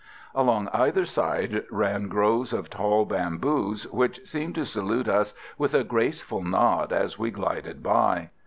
Along either side ran groves of tall bamboos, which seemed to salute us with a graceful nod as we glided by.